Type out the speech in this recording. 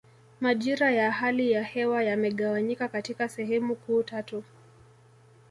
Majira ya hali ya hewa yamegawanyika katika sehemu kuu tatu